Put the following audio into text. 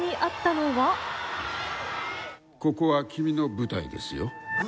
ここは君の舞台ですよ。